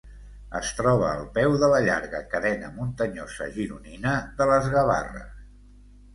Es troba al peu de la llarga cadena muntanyosa gironina de les Gavarres.